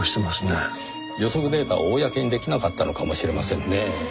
予測データを公に出来なかったのかもしれませんねぇ。